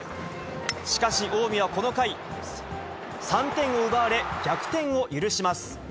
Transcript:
しかし、近江はこの回、３点を奪われ、逆転を許します。